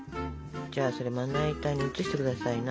じゃあそれまな板に移して下さいな。